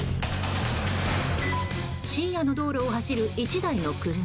深夜の道路を走る１台の車。